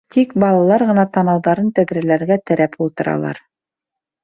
Тик балалар ғына танауҙарын тәҙрәләргә терәп ултыралар.